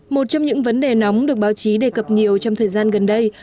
một trong những vấn đề nóng được báo chí đề cập nhiều trong thời gian gần đây